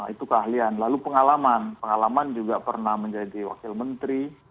itu keahlian lalu pengalaman pengalaman juga pernah menjadi wakil menteri